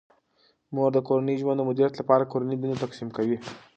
مور د کورني ژوند د مدیریت لپاره د کورني دندو تقسیم کوي.